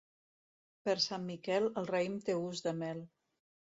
Per Sant Miquel el raïm té gust de mel.